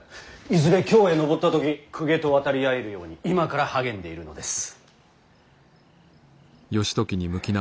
いずれ京へ上った時公家と渡り合えるように今から励んでいるのです。